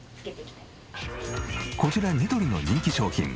こちらニトリの人気商品